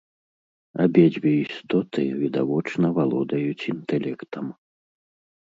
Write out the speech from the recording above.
Абедзве істоты відавочна валодаюць інтэлектам.